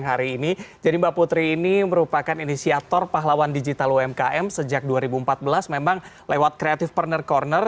hari ini jadi mbak putri ini merupakan inisiator pahlawan digital umkm sejak dua ribu empat belas memang lewat creative partner corner